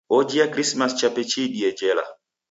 Ojia Krisimasi chape chiidie jela.